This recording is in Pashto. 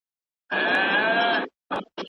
لوستې مور د ماشومانو د بدن ودې ته پام کوي.